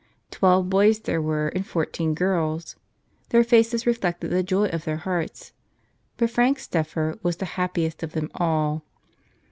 Twelve boys there were and fourteen girls. Their faces reflected the joy of their hearts. But Frank Steffer was the happiest of them all.